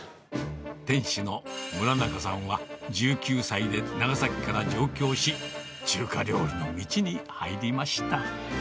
店主の村中さんは１９歳で長崎から上京し、中華料理の道に入りました。